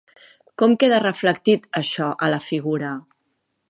Com queda reflectit, això, a la figura?